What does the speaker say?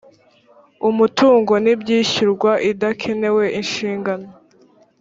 umutungo n ibyishyurwa idakenewe inshingano